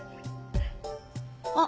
あっ！